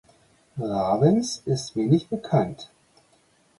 Ravens ist wenig bekannt.